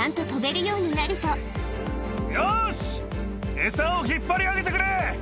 エサを引っ張り上げてくれ！